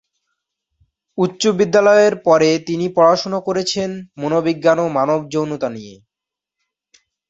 উচ্চ বিদ্যালয়ের পরে তিনি পড়াশুনো করেছেন মনোবিজ্ঞান এবং মানব যৌনতা নিয়ে।